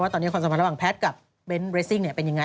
ตอนนี้ความสัมพันธ์ระหว่างแพทย์กับเบนท์เรสซิ่งเป็นยังไง